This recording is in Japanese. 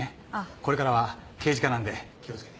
これからは刑事課なんで気をつけて。